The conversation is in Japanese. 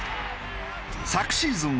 昨シーズン